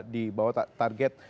di bawah target